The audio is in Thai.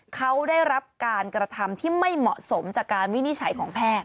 เขาได้รับการกระทำที่ไม่เหมาะสมจากการวินิจฉัยของแพทย์